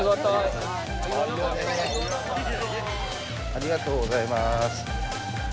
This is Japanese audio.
ありがとうございます。